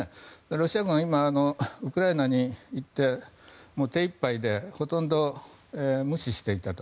ロシア軍は今ウクライナに行って手いっぱいでほとんど無視していたと。